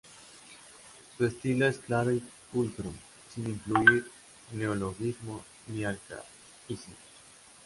Su estilo es claro y pulcro sin incluir neologismos ni arcaísmos.